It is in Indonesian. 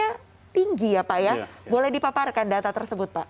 artinya tinggi ya pak ya boleh dipaparkan data tersebut pak